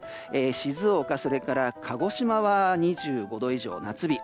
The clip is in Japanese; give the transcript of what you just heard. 静岡、それから鹿児島は２５度以上の夏日